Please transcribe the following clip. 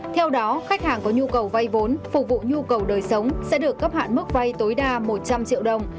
theo đó khách hàng có nhu cầu vay vốn phục vụ nhu cầu đời sống sẽ được cấp hạn mức vay tối đa một trăm linh triệu đồng